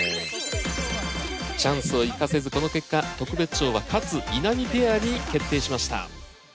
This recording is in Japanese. チャンスを生かせずこの結果特別賞は勝・稲見ペアに決定しました。